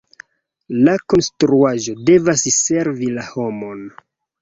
La konstruaĵo devas servi la homon.